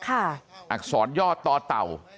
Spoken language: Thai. อักษรย่อต่อเต่า